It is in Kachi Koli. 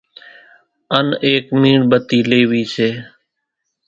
ان ايڪ ميڻ ٻتي ليوي سي،